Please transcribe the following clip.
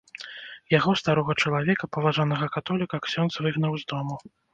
Яго, старога чалавека, паважанага католіка, ксёндз выгнаў з дому!